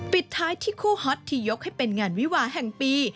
ปิดท้ายที่คู่ฮอตที่ยกให้เป็นงานวิวาแห่งปี